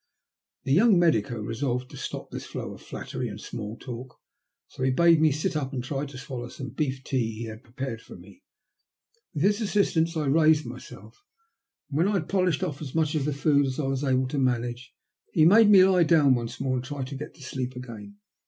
The young medico resolved to stop this flow of flattery and small talk, so he bade me sit up and try to swallow some beef tea he had had prepared for 130 THE LUST OF HATE. me. With his assistance I raised myself, and when I had polished off as much of the food as I was able to manage, he made me lie down once more and try to get to sleep again.